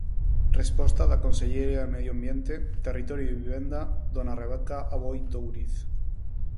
Resposta da Conselleira de Medio Ambiente, Territorio e Vivenda, dona Rebeca Aboi Touriz.